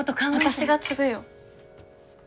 私が継ぐよ。